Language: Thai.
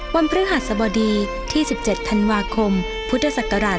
พฤหัสบดีที่๑๗ธันวาคมพุทธศักราช๒๕